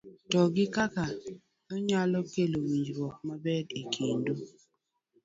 to gi kaka onyalo kelo winjruok maber e kind u